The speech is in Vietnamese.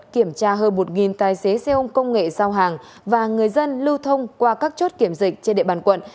kiểm tra hơn một tài xế xe ôm công nghệ giao hàng và người dân lưu thông qua các chốt kiểm dịch trên địa bàn quận